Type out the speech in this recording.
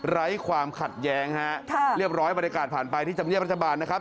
ไร้ความขัดแย้งฮะเรียบร้อยบรรยากาศผ่านไปที่ธรรมเนียบรัฐบาลนะครับ